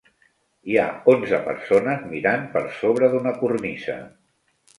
Hi ha onze persones mirant per sobre d'una cornisa.